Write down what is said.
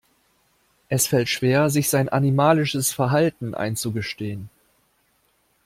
Es fällt schwer, sich sein animalisches Verhalten einzugestehen.